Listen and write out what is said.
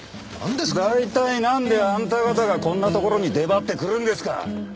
大体なんであんた方がこんなところに出張ってくるんですか？